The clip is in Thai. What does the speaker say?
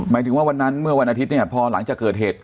หมายถึงว่าวันนั้นเมื่อวันอาทิตย์เนี่ยพอหลังจากเกิดเหตุ